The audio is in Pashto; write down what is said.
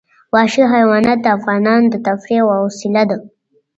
وحشي حیوانات د افغانانو د تفریح یوه وسیله ده.